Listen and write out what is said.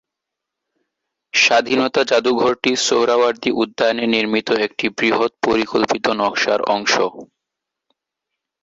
স্বাধীনতা জাদুঘরটি সোহরাওয়ার্দী উদ্যানে নির্মিত একটি বৃহৎ পরিকল্পিত নকশার অংশ।